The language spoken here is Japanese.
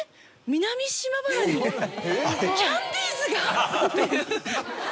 南島原にキャンディーズが⁉